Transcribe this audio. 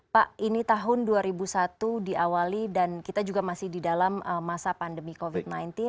pak ini tahun dua ribu satu diawali dan kita juga masih di dalam masa pandemi covid sembilan belas